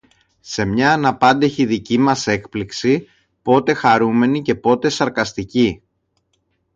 σε μια αναπάντεχη δική μας έκπληξη, πότε χαρούμενη και πότε σαρκαστική,